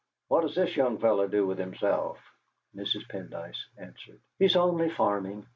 What does this young fellow do with himself?" Mrs. Pendyce answered: "He's only farming.